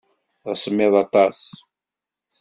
D asemmiḍ aṭas.